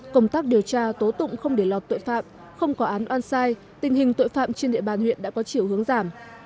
công tác điều tra tố tụng không để lọt tội phạm không có án oan sai tình hình tội phạm trên địa bàn huyện đã có chiều hướng giảm